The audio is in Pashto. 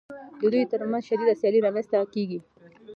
د دوی ترمنځ شدیده سیالي رامنځته کېږي